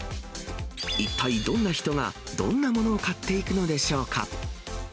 一体、どんな人が、どんなものを買っていくのでしょうか。